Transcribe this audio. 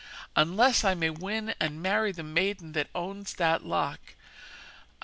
Unless I may win and marry the maiden that owns that lock I must die!'